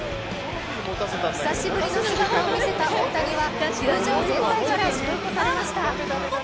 久しぶりの姿を見せた大谷は球場全体から祝福されました。